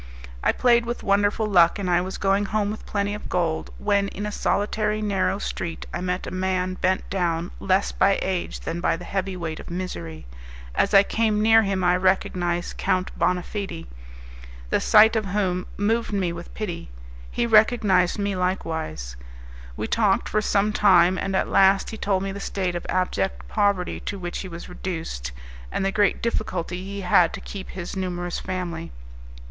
I played with wonderful luck, and I was going home with plenty of gold, when in a solitary narrow street I met a man bent down less by age than by the heavy weight of misery. As I came near him I recognized Count Bonafede, the sight of whom moved me with pity. He recognized me likewise. We talked for some time, and at last he told me the state of abject poverty to which he was reduced, and the great difficulty he had to keep his numerous family.